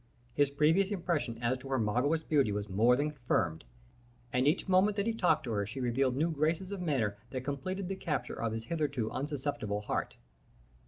His previous impression as to her marvellous beauty was more than confirmed, and each moment that he talked to her she revealed new graces of manner that completed the capture of his hitherto unsusceptible heart.